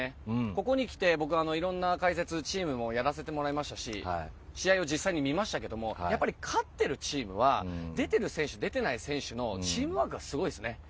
ここにきて僕、いろんな解説をチームもやらせてもらいましたし試合を実際に見ましたが勝っているチームは出てる選手、出てない選手のチームワークがすごいですね。